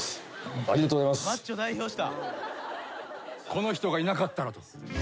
この人がいなかったらと。